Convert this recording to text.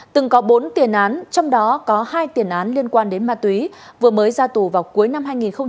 từng có bốn tiền án trong đó có hai tiền án liên quan đến ma túy vừa mới ra tù vào cuối năm hai nghìn một mươi ba